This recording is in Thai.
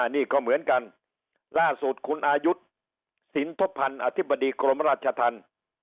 นี่ก็เหมือนกันล่าสุดคุณอายุสินทบพันธ์อธิบดีกรมราชธรรม